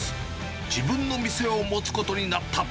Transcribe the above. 自分の店を持つことになった。